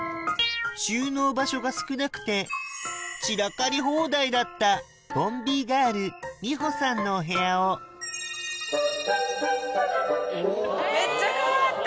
収納場所が少なくて散らかり放題だったボンビーガールみほさんのお部屋をめっちゃ変わった！